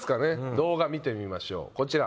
動画見てみましょうこちら。